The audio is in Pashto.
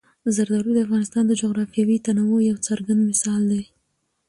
زردالو د افغانستان د جغرافیوي تنوع یو څرګند مثال دی.